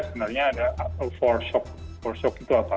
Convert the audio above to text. sebenarnya ada foreshock foreshock itu apa